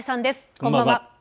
こんばんは。